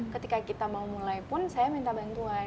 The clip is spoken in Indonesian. ketika kita mau mulai pun saya minta bantuan